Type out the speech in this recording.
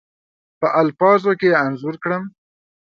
په الفاظو کې انځور کړم.